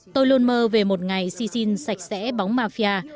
tôi luôn mơ về một ngày xì xin sạch sẽ bóng mafia